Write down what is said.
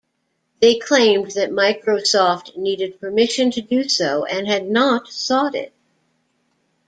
They claimed that Microsoft needed permission to do so and had not sought it.